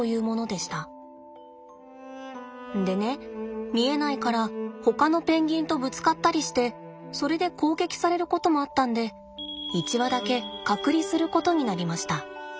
でね見えないからほかのペンギンとぶつかったりしてそれで攻撃されることもあったんで１羽だけ隔離することになりました。